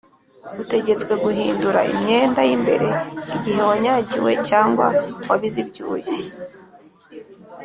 Utegetswe guhindura imyenda y’imbere igihe wanyagiwe cyangwa wabize ibyuya